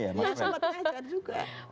iya sempat ngajar juga